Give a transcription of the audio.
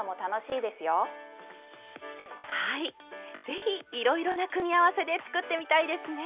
是非いろいろな組み合わせで作ってみたいですね！